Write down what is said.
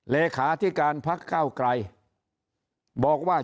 เลขาธิการพักเก้าไกรบอกว่า